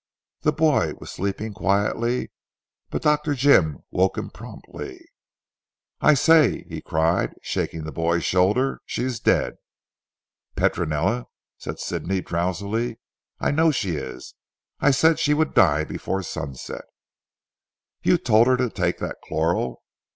The boy was sleeping quietly, but Dr. Jim woke him promptly. "I say," he cried, shaking the boy's shoulder, "she is dead." "Petronella," said Sidney drowsily, "I know she is. I said she would die before sunset." "You told her to take that chloral."